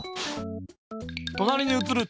となりにうつる。